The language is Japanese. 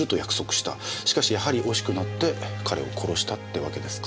しかしやはり惜しくなって彼を殺したってわけですか。